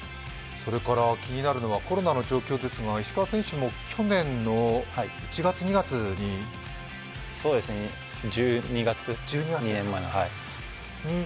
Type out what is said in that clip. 気になるのはコロナの状況ですが石川選手も去年の１月、２月に２年前の１２月に、はい。